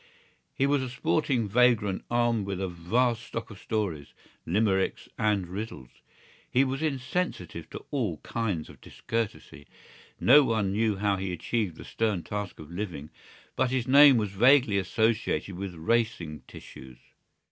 He was a sporting vagrant armed with a vast stock of stories, limericks and riddles. He was insensitive to all kinds of discourtesy. No one knew how he achieved the stern task of living, but his name was vaguely associated with racing tissues.